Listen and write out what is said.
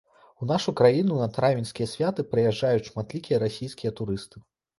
У нашу краіну на травеньскія святы прыязджаюць шматлікія расійскія турысты.